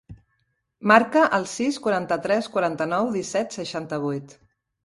Marca el sis, quaranta-tres, quaranta-nou, disset, seixanta-vuit.